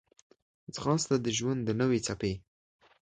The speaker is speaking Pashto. ځغاسته د ژوند د نوې څپې